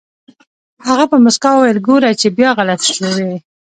هغه په موسکا وويل ګوره چې بيا غلط شوې.